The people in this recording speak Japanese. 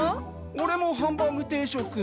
オレもハンバーグ定食。